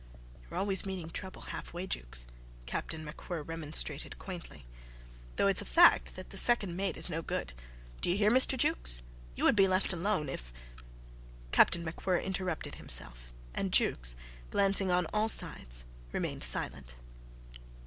"You are always meeting trouble half way, Jukes," Captain MacWhirr remonstrated quaintly. "Though it's a fact that the second mate is no good. D'ye hear, Mr. Jukes? You would be left alone if. ..." Captain MacWhirr interrupted himself, and Jukes, glancing on all sides, remained silent.